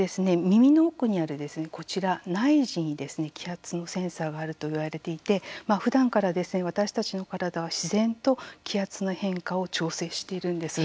耳の奥にあるこちら内耳に気圧のセンサーがあるといわれていてふだんから私たちの体は自然と気圧の変化を調整しているんです。